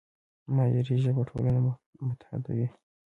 معیاري ژبه ټولنه متحدوي.